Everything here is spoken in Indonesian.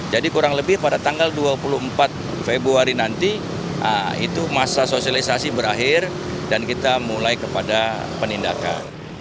jadi kurang lebih pada tanggal dua puluh empat februari nanti itu masa sosialisasi berakhir dan kita mulai kepada penindakan